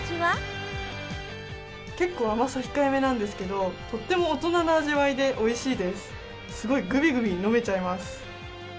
結構甘さ控えめなんですけどとっても大人な味わいですごいぐびぐび飲めちゃいます。